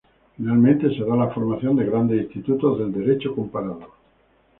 Finalmente se da la formación de grandes institutos del derecho comparado.